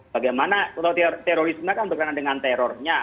bagaimana terorisme kan berkaitan dengan terornya